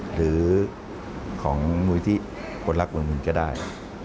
หรือของมูลนิธิคนรักเงินก็ได้